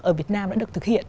ở việt nam đã được thực hiện